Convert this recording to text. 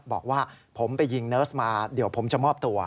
บอกว่าผมไปยิงเนิร์สมาเดี๋ยวผมจะมอบตัว